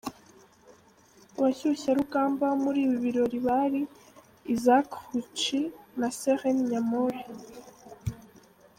Abashyushyarugamba muri ibi birori bari: Isaac Rucci na Serraine Nyamori.